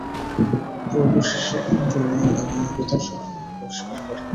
পর্ব শেষে ডোরেমন এবং নোবিতা সব ময়লা পরিষ্কার করে।